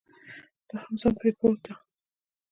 دوهم ځان پرې پوه کړئ.